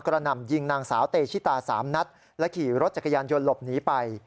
หน่ำยิงนางสาวเตชิตา๓นัดและขี่รถจักรยานยนต์หลบหนีไป